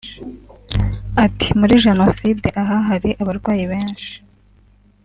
Ati “Muri Jenoside aha hari abarwayi benshi